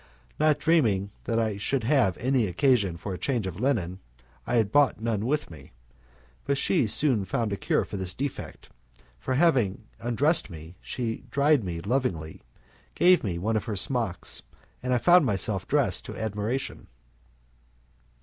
Not dreaming that I should have any occasion for a change of linen, I had brought none with me, but she soon found a cure for this defect; for after having undressed me she dried me lovingly, gave me one of her smocks, and I found myself dressed to admiration.